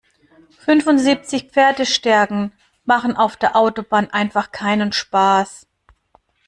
Fünfundsiebzig Pferdestärken machen auf der Autobahn einfach keinen Spaß.